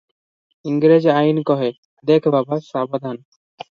ଇଂରେଜୀ ଆଇନ କହେ, 'ଦେଖ ବାବା ସାବଧାନ!